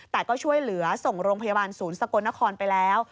แต่ก็ช่วยเหลือส่งโรงพยาบาลศูนย์สกลนครไปแล้ว